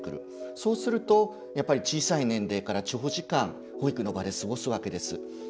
そうすると、小さい年齢から長時間保育の場で過ごすわけです。